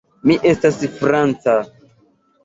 Mi estas franca.